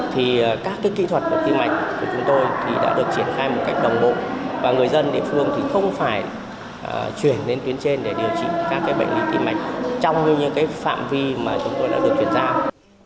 thì các kỹ thuật của tim mạch của chúng tôi đã được triển khai một cách đồng bộ và người dân địa phương không phải chuyển lên tuyến trên để điều trị các bệnh viện tim mạch trong những phạm vi mà chúng tôi đã được chuyển giao